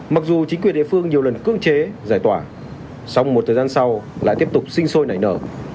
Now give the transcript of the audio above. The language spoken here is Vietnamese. mặc dù chính quyền địa phương nhiều lần cưỡng chế giải tỏa xong một thời gian sau lại tiếp tục sinh sôi nảy nở